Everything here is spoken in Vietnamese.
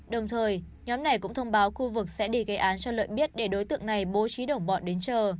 đồng thời nhóm này cũng thông báo khu vực sẽ đi gây án cho lợi biết để đối tượng này bố trí đồng bọn đến chờ